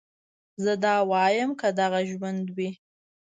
زه دا واييم که دغه ژوند وي